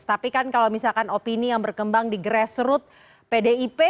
tapi kan kalau misalkan opini yang berkembang di grassroot pdip